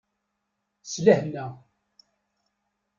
S lehna.